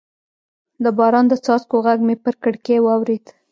د باران د څاڅکو غږ مې پر کړکۍ واورېد.